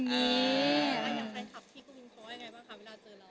อย่างไทยคลับที่กรุงพร้อมยังไงบ้างค่ะเวลาเจอเรา